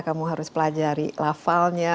kamu harus pelajari lafalnya